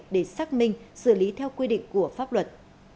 để xác minh xử lý theo quy định của pháp luật